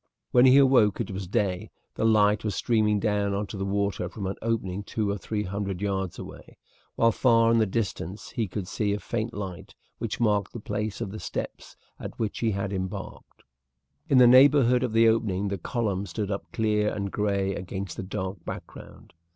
When he awoke it was day. The light was streaming down on to the water from an opening two or three hundred yards away, while far in the distance he could see a faint light which marked the place of the steps at which he had embarked. In the neighbourhood of the opening the columns stood up clear and gray against the dark background.